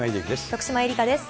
徳島えりかです。